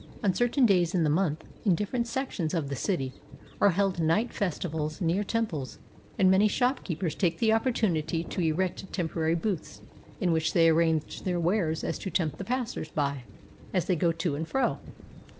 On certain days in the month, in different sections of the city, are held night festivals near temples, and many shopkeepers take the opportunity to erect temporary booths, in which they so arrange their wares as to tempt the passers by as they go to and fro.